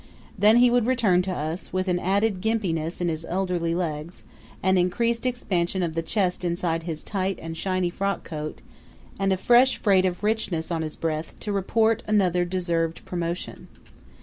Then he would return to us, with an added gimpiness in his elderly legs, an increased expansion of the chest inside his tight and shiny frock coat, and a fresh freight of richness on his breath, to report another deserved promotion.